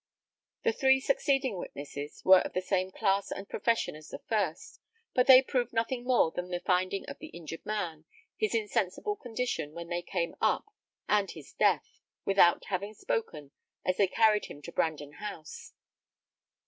The three succeeding witnesses were of the same class and profession as the first; but they proved nothing more than the finding of the injured man, his insensible condition when they came up, and his death, without having spoken, as they carried him to Brandon House.